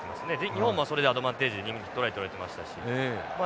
日本もそれでアドバンテージとられてましたしま